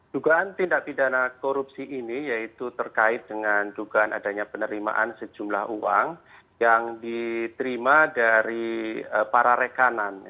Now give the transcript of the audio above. dugaan tindak pidana korupsi ini yaitu terkait dengan dugaan adanya penerimaan sejumlah uang yang diterima dari para rekanan